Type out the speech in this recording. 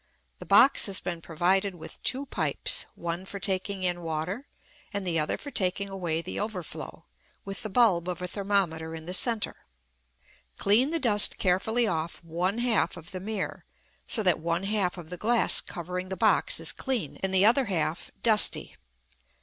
The box has been provided with two pipes, one for taking in water and the other for taking away the overflow, with the bulb of a thermometer in the centre. Clean the dust carefully off one half of the mirror, so that one half of the glass covering the box is clean and the other half dusty.